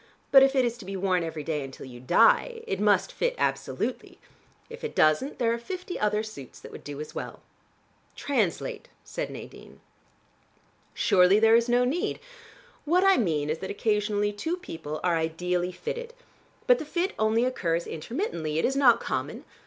But if it is to be worn every day until you die, it must fit absolutely. If it doesn't, there are fifty other suits that would do as well." "Translate," said Nadine. "Surely there is no need. What I mean is that occasionally two people are ideally fitted. But the fit only occurs intermittently: it is not common.